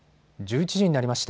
１１時になりました。